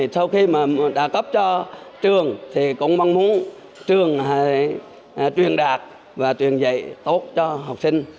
sau khi đã cấp cho trường thì cũng mong muốn trường truyền đạt và truyền dạy tốt cho học sinh